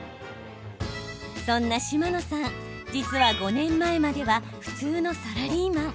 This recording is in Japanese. そんな嶌野さん、実は５年前までは普通のサラリーマン。